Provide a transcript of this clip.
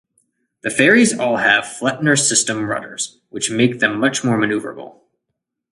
The ferries all have Fletner system rudders which make them much more manoeuvrable.